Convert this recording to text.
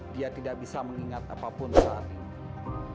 dia tidak bisa mengingat apapun saat ini